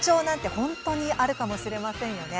本当にあるかもしれませんね。